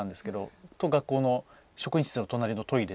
あと学校の職員室の隣のトイレ